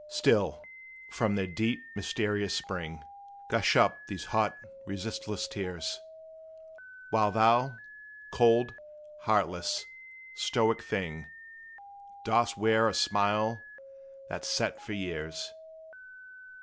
Still, from their deep, mysterious spring Gush up these hot, resistless tears; Whilst thou, cold, heartless, stoic thing, Dost wear a smile that 's set for years.